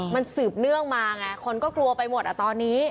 มันสืบเนื่องมาไงคนก็กลัวไปหมดตอนนี้